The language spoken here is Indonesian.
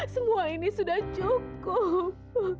semua ini sudah cukup